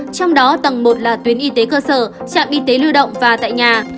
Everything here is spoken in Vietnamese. trong đó tầng một là tuyến y tế cơ sở trạm y tế lưu động và tại nhà